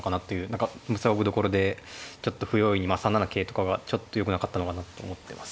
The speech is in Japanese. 何か勝負どころでちょっと不用意に３七桂とかがちょっとよくなかったのかなと思ってます。